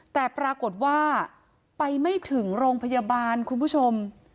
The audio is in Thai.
แต่ปรากฏว่าไปไม่ถึงโรงพยาบาลคุณผู้ชม